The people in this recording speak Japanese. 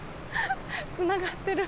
つながってる。